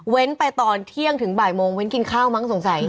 ไปตอนเที่ยงถึงบ่ายโมงเว้นกินข้าวมั้งสงสัย